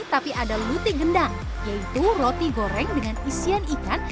tapi ada luti gendang yaitu roti goreng dengan isian ikan